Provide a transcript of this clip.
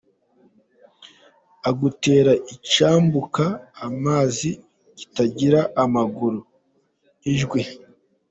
agutera icyambuka amazi kitagira amaguru: Ijwi.